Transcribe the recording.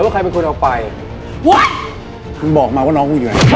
การแผนเสียง